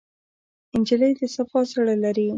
نجلۍ د صفا زړه لري.